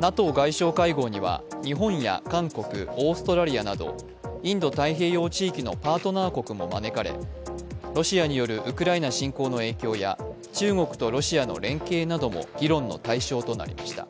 ＮＡＴＯ外相会合には日本や韓国、オーストラリアなどインド太平洋地域のパートナー国も招かれ、ロシアによるウクライナ侵攻の影響や中国とロシアの連携なども議論の対象となりました。